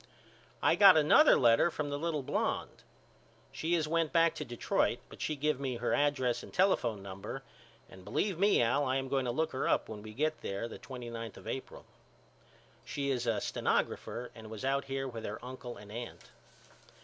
I got another letter from the little blonde. She has went back to Detroit but she give me her address and telephone number and believe me Al I am going to look her up when we get there the twenty ninth of April. She is a stenographer and was out here with her uncle and aunt.